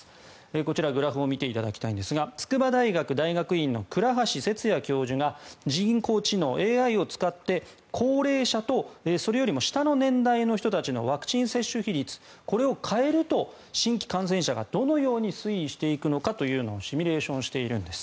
こちら、グラフを見ていただきたいんですが筑波大学大学院の倉橋節也教授が人工知能・ＡＩを使って高齢者とそれよりも下の年代の人たちのワクチン接種比率これを変えると、新規感染者がどのように推移していくのかというのをシミュレーションしているんです。